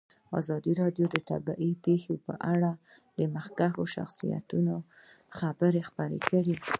ازادي راډیو د طبیعي پېښې په اړه د مخکښو شخصیتونو خبرې خپرې کړي.